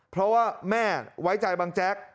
เพราะว่าแม่ไว้ใจบังแจ๊ก